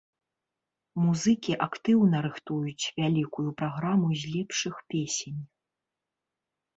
Музыкі актыўна рыхтуюць вялікую праграму з лепшых песень.